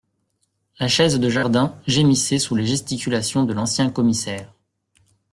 La chaise de jardin gémissait sous les gesticulations de l’ancien commissaire.